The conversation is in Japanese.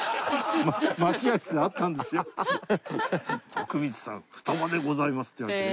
「徳光さん二葉でございます」って言われてね。